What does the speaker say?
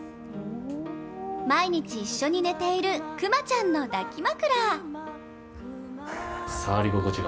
毎日一緒に寝ているクマちゃんの抱き枕。